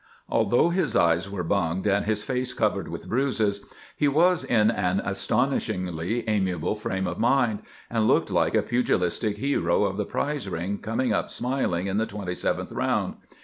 Although his eyes were bunged and his face covered with bruises, he was in an astonishingly amiable frame of mind, and looked like a pugilistic hero of the prize ring coming up smiling in the twenty seventh round.